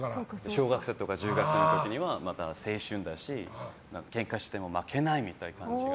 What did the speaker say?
小学生とか中学生の時は青春だしケンカしても負けないみたいな感じが。